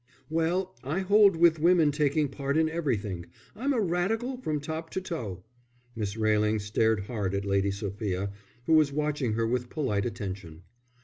"Well, I hold with women taking part in everything. I'm a Radical from top to toe." Miss Railing stared hard at Lady Sophia, who was watching her with polite attention.